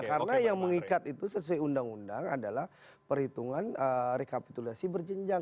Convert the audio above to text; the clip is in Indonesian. karena yang mengikat itu sesuai undang undang adalah perhitungan rekapitulasi berjenjang